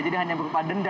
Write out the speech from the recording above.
jadi hanya berupa denda